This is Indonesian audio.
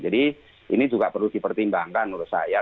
ini juga perlu dipertimbangkan menurut saya